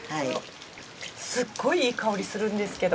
すっごいいい香りするんですけど。